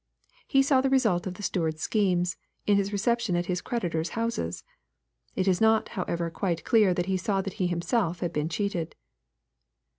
He saw the result of the steward's schemes, in his reception at his creditors' houses. It is not, however, quite clear that he saw that he himself had been cheated.